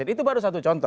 itu baru satu contoh